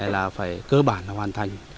là phải cơ bản là hoàn thành